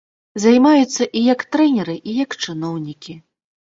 Займаюцца і як трэнеры, і як чыноўнікі.